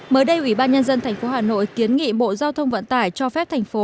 mới đây ủy ban nhân dân tp hà nội kiến nghị bộ giao thông vận tải cho phép thành phố